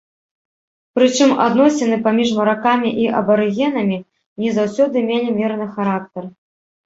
Прычым, адносіны паміж маракамі і абарыгенамі не заўсёды мелі мірны характар.